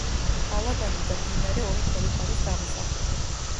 გალავანი და მდინარე ორი ფერით არის გამოსახული.